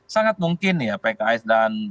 sangat mungkin ya pks dan